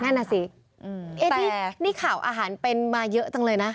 นั่นน่ะสิแต่นี่ข่าวอาหารเป็นมาเยอะจังเลยนะ